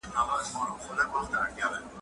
زه کتابتوننۍ سره وخت تېروولی دی!.